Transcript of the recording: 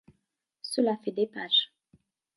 Cela fait des pages.